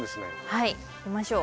はい行きましょう。